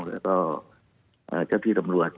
แล้วก็เจ้าที่ตำรวจ